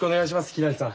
ひらりさん。